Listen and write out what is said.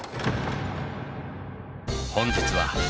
本日は。